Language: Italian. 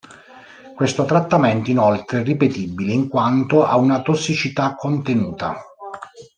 Questo trattamento inoltre è ripetibile in quanto ha una tossicità contenuta.